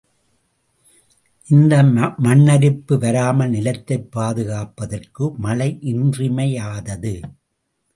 இந்த மண்ணரிப்பு வராமல் நிலத்தைப் பாதுகாப்பதற்கு மழை இன்றியமையாதது.